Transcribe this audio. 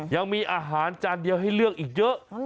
ยังมีอาหารจานเดียวให้เลือกอีกเยอะ